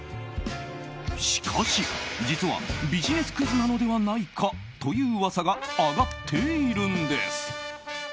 しかし、実はビジネスクズなのではないかという噂が上がっているんです。